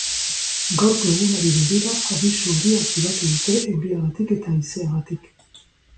Gaurko egunari begira, abisu horia aktibatu dute euriagatik eta haizeagatik.